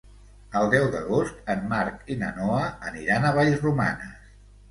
El deu d'agost en Marc i na Noa aniran a Vallromanes.